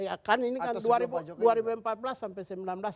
iya kan ini kan dua ribu empat belas sampai dua ribu sembilan belas